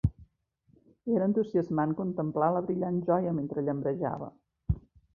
Era entusiasmant contemplar la brillant joia mentre llambrejava.